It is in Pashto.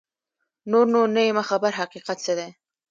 نور نو نه یمه خبر حقیقت څه دی